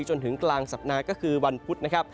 จนถึงกลางสัปดาห์ก็คือวันพุธนะครับ